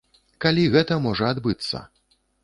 Калі гэта можа адбыцца?